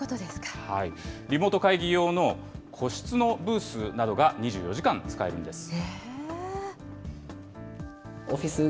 リモート会議用の個室のブースなどが２４時間使えるんです。